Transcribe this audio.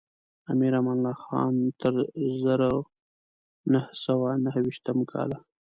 امیر امان الله خان تر زرو نهه سوه نهه ویشتم کاله.